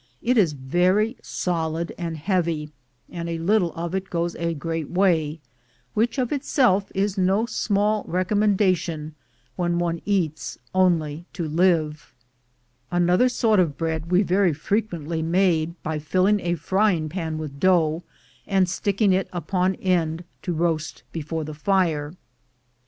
It is very solid and heavy, and a little of it goes a great way, which of itself is no small recommendation when one eats only to live. Another sort of bread we very frequently made by filling a frying pan with dough, and sticking it upon end to roast before the fire.